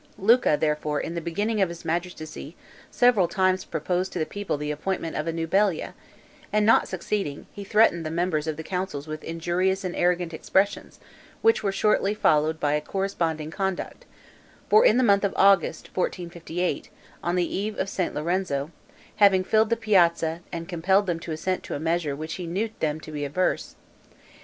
Luca, therefore, in the beginning of his magistracy, several times proposed to the people the appointment of a new balia; and, not succeeding, he threatened the members of the councils with injurious and arrogant expressions, which were shortly followed by corresponding conduct; for in the month of August, 1458, on the eve of Saint Lorenzo, having filled the piazza, and compelled them to assent to a measure to which he knew them to be averse.